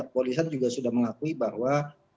polisian juga sudah mengakui bahwa